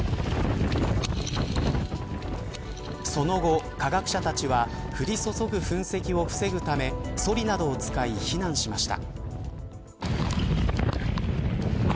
その後、科学者たちは降り注ぐ噴石を防ぐためソリなどを使い避難しました。